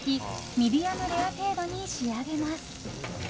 ミディアムレア程度に仕上げます。